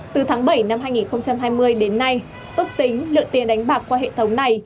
từ tháng bảy năm hai nghìn hai mươi đến nay ước tính lượng tiền đánh bạc qua hệ thống này